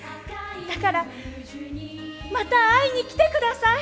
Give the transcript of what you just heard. だからまた会いに来て下さい。